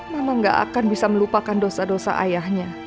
mama gak akan bisa melupakan dosa dosa ayahnya